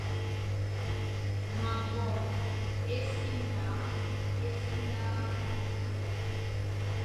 Ma bôn-e-simda,